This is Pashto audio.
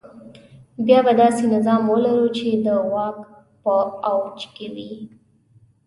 بیا به داسې نظام ولرو چې د واک په اوج کې وي.